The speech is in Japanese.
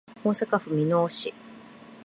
大阪府箕面市